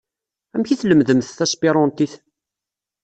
Amek i tlemdemt taspiruntit?